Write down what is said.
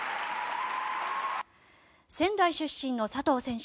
仙台出身の佐藤選手